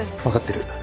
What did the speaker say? わかってる。